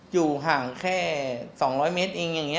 อยู่ห่างแค่๒๐๐เมตรเองอย่างนี้